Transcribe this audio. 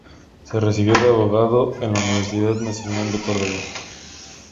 Se recibió de abogado en la Universidad Nacional de Córdoba.